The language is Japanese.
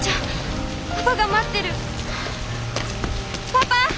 パパ！